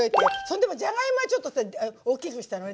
それでもじゃがいもはちょっと大きくしたの。